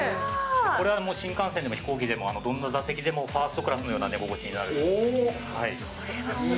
これは新幹線でも飛行機でもどんな座席でもファーストクラスのような寝心地になります。